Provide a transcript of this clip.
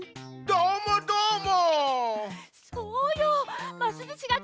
どーもどーも！